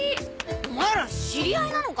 お前ら知り合いなのか？